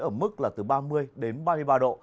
ở mức là từ ba mươi đến ba mươi ba độ